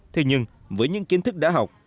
thế nhưng với những kiến thức đã học